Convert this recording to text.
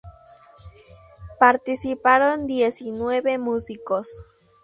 Participaron diecinueve músicos.